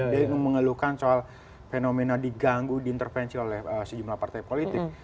dia mengeluhkan soal fenomena diganggu diintervensi oleh sejumlah partai politik